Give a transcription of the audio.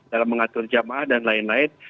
dalam mengatur jamaah dan lain lain